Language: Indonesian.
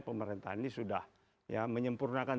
pemerintahan ini sudah menyempurnakan